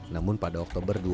namun pada oktober dua ribu satu